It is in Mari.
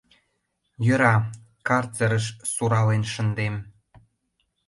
— Йӧра, карцерыш сурален шындем.